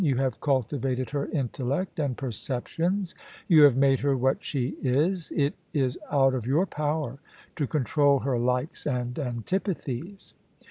*You have cultivated her intellect and per ceptions ; you have made her what she is. It is out of your power to control her likes and antipathies.